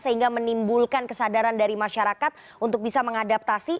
sehingga menimbulkan kesadaran dari masyarakat untuk bisa mengadaptasi